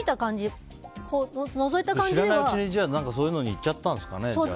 知らないうちに変なのにいっちゃったんですかね。